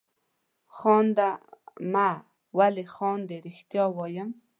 خانده مه ولې خاندې؟ رښتیا وایم.